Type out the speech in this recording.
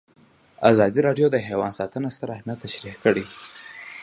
ازادي راډیو د حیوان ساتنه ستر اهميت تشریح کړی.